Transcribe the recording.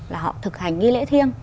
là họ thực hành nghi lễ thiêng